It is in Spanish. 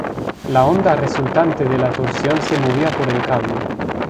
La onda resultante de la torsión se movía por el cable.